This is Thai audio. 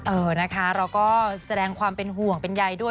เออนะคะเราก็แสดงความเป็นห่วงเป็นใยด้วย